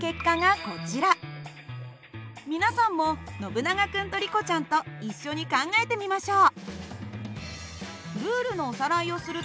皆さんもノブナガ君とリコちゃんと一緒に考えてみましょう。